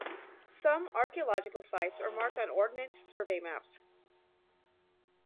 Some archaeological sites are marked on Ordnance Survey maps.